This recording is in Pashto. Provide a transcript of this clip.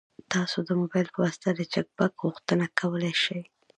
تاسو د موبایل په واسطه د چک بک غوښتنه کولی شئ.